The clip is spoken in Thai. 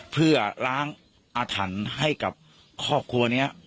เพื่อล้างอาถรรพ์ให้กับครอบครัวนี้